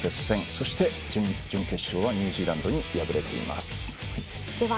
そして、準決勝はニュージーランドに敗れています。